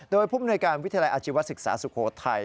โดยภูมิในการวิทยาลัยอาชีวภาคศึกษาสุโฆษณ์ไทย